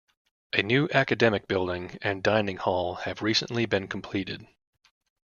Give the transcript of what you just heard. A new academic building and dining hall have recently been completed.